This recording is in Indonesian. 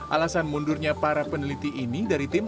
alasan mundurnya para peneliti ini dari tim